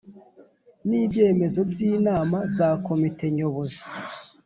n ibyemezo by inama za Komite Nyobozi